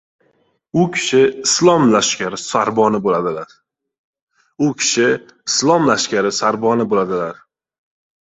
— U kishi islom lashkari sorboni bo‘ladilar.